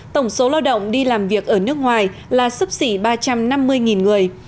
tổng số lao động đi làm việc ở nước ngoài là sấp xỉ ba trăm năm mươi người